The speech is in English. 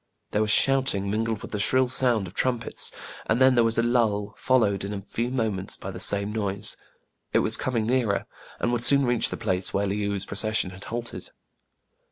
There was shouting mingled with the shrill sound of trumpets ; and then there was a lull, followed in a few moments by the same noise. It was coming nearer, and would soon reach the place where Le ou*s procession had halted.